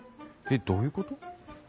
えっどういうこと？